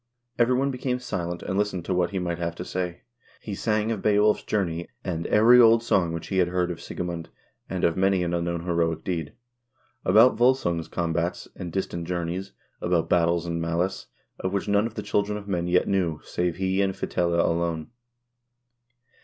Every one became silent, and listened to what he might have to say. He sang of Beowulf's journey, and "Every old song which he had heard of Sigemund, and of many an unknown heroic deed ; about W0lsung's combats and distant journeys, about battles and malice, of which none of the children of men yet knew, save he and Fitela alone."